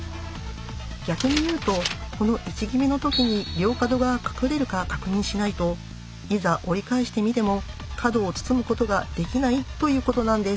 逆に言うとこの位置決めのときに両角が隠れるか確認しないといざ折り返してみても角を包むことができないということなんです。